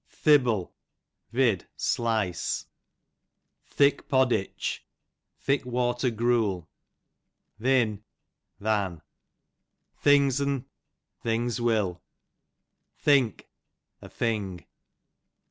Thible, vid. slice. Thick podditch, thick water gruel. Thin, than. Things'n, things will. Think, a thing.